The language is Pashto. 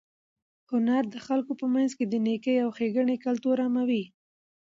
هنر د خلکو په منځ کې د نېکۍ او ښېګڼې کلتور عاموي.